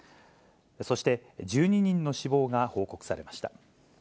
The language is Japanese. そして、１２人の死亡が報告されました。